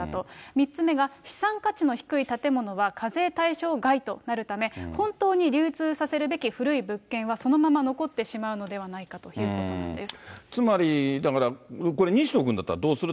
３つ目が資産価値の低い建物は課税対象外となるため、本当に流通させるべき古い物件はそのまま残ってしまうのではないつまり、だから、これ、西野君だったらどうする？